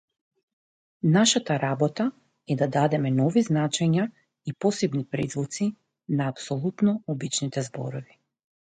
Нашата работа е да дадеме нови значења и посебни призвуци на апсолутно обичните зборови.